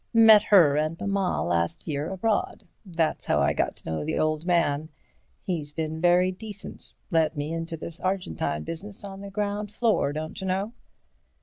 "Met her and Mamma last year abroad. That's how I got to know the old man. He's been very decent. Let me into this Argentine business on the ground floor, don't you know?"